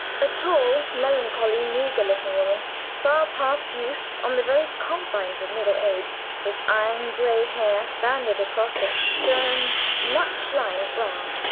A tall, melancholy, meager looking woman, far past youth on the very confines of middle age, with iron gray hair banded across a stern, much lined brow.